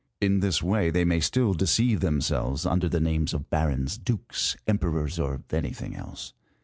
In this way they may still deceive themselves under the names of Barons, Dukes, Emperors, or anything else.